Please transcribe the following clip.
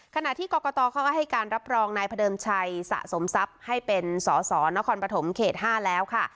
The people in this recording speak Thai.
ขณะที่กรกตเขาก็ให้การรับรองนายพระเดิมชัยสะสมทรัพย์ให้เป็นสสนครปฐมเขต๕แล้วค่ะ